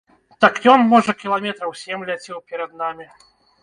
Так ён, можа, кіламетраў сем ляцеў перад намі.